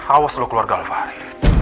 awas lo keluarga alfahari